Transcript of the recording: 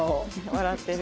笑ってる。